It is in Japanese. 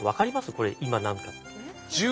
これ今何か。